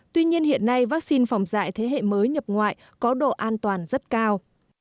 tuy nhiên hiện nay vắc xin phòng dại thế hệ mới nhập ngoại có độ an toàn rất cao